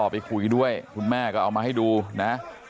ไปคุยด้วยคุณแม่ก็เอามาให้ดูนะ